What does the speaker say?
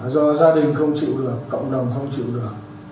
do gia đình không chịu được cộng đồng không chịu được